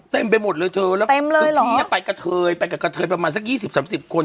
เต็มไปหมดเลยเธอไปกับเธอยไปกับกับเธอยประมาณสัก๒๐๓๐คน